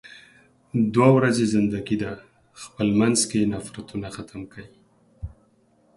دوه ورځې زندګی ده، خپل مينځ کې نفرتونه ختم کې.